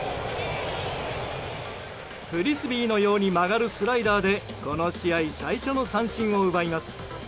フリスビーのように曲がるスライダーでこの試合最初の三振を奪います。